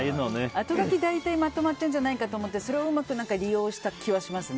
あとがき大体まとまってるんじゃないかと思ってそれをうまく利用した気はします。